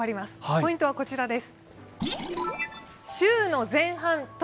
ポイントはこちらです。